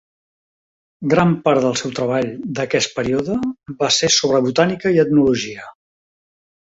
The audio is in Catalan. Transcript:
Gran part del seu treball d'aquest període va ser sobre botànica i etnologia.